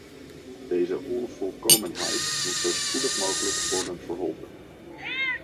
Deze onvolkomenheid moet zo spoedig mogelijk worden verholpen.